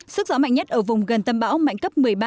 sức gió mạnh nhất ở vùng gần tâm bão mạnh cấp một mươi ba